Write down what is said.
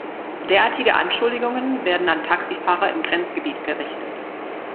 Derartige Anschuldigungen werden an Taxifahrer im Grenzgebiet gerichtet.